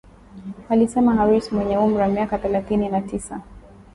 alisema Harris mwenye umri wa miaka thelathini na tisa